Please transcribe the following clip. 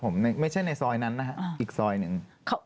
ผมไม่ใช่ในซอยนั้นนะฮะอีกซอยหนึ่ง